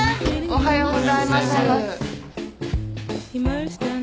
おはようございます。